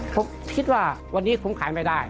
ผมคิดว่าวันนี้ผมขายไม่ได้